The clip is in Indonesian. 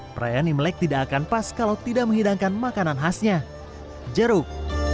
perayaan imlek tidak akan pas kalau tidak menghidangkan makanan khasnya jeruk